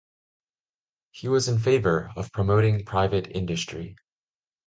He was in favour of promoting private industry.